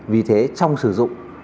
vì thế trong sử dụng